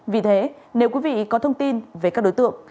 vì thế nếu quý vị có thông tin về các đối tượng